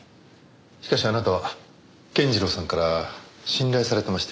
しかしあなたは健次郎さんから信頼されてましたよね？